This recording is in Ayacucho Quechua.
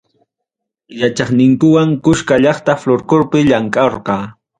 Yachaqninkunawan kuskam llaqta folklorpi llamkarqa.